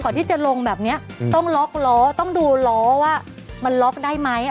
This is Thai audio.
ที่จะลงแบบนี้ต้องล็อกล้อต้องดูล้อว่ามันล็อกได้ไหม